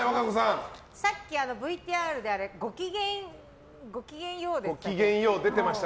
さっきＶＴＲで「ごきげんよう」でしたよね？